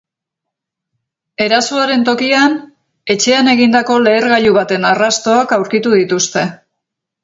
Erasoaren tokian, etxean egindako lehergailu baten arrastoak aurkitu dituzte.